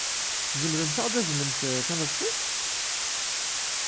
Tzemremt ad aɣ-d-taznemt taneḍfust?